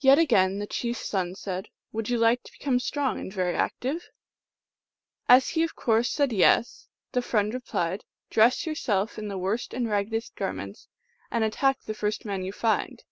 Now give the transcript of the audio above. Yet again the chief s son said, " Would you like to become strong and very active ?" And as he of course said " Yes," the friend replied, " Dress yourself in the worst and raggedest garments, and attack the first man you find.